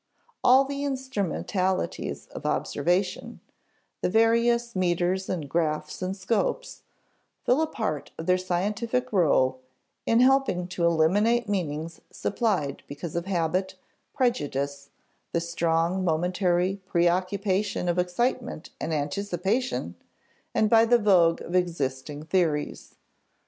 All the instrumentalities of observation the various meters and graphs and scopes fill a part of their scientific rôle in helping to eliminate meanings supplied because of habit, prejudice, the strong momentary preoccupation of excitement and anticipation, and by the vogue of existing theories.